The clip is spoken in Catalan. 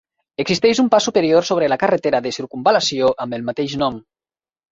Existeix un pas superior sobre la carretera de circumval·lació amb el mateix nom.